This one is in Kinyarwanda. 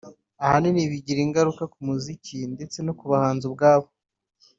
ahanini bigira ingaruka ku muziki ndetse no ku bahanzi ubwabo